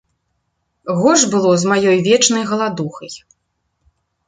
Горш было з маёй вечнай галадухай.